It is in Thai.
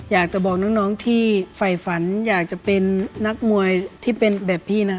อยากจะบอกน้องที่ฝ่ายฝันอยากจะเป็นนักมวยที่เป็นแบบพี่นะ